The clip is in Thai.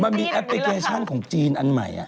มันมีแอปพลิเคชันของจีนอันใหม่